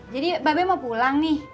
jadi be mau pulang nih